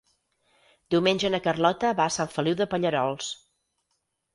Diumenge na Carlota va a Sant Feliu de Pallerols.